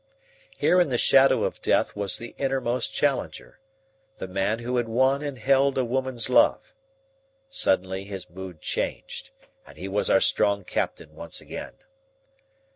Here in the shadow of death was the innermost Challenger, the man who had won and held a woman's love. Suddenly his mood changed and he was our strong captain once again.